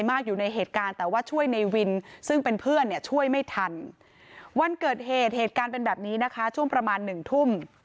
ไม่ทันวันเกิดเหตุเหตุการณ์เป็นแบบนี้นะคะช่วงประมาณหนึ่งทุ่ม